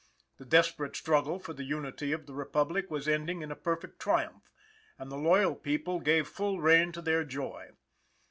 The desperate struggle for the unity of the Republic was ending in a perfect triumph; and the loyal people gave full rein to their joy.